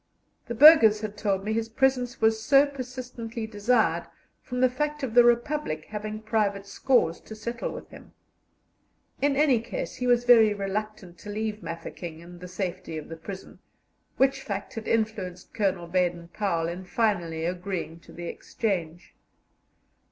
The burghers had told me his presence was so persistently desired from the fact of the republic having private scores to settle with him. In any case, he was very reluctant to leave Mafeking and the safety of the prison, which fact had influenced Colonel Baden Powell in finally agreeing to the exchange.